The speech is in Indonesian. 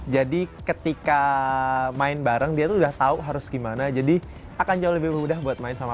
jadi ketika main bareng dia tuh udah tahu harus gimana jadi akan jauh lebih mudah buat main sama